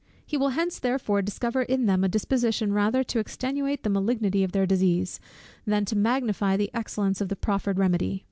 He will hence therefore discover in them a disposition rather to extenuate the malignity of their disease, than to magnify the excellence of the proffered remedy.